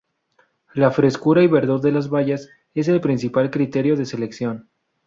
La frescura y verdor de las bayas es el principal criterio de selección.